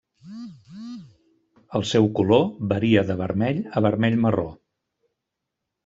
El seu color varia de vermell a vermell-marró.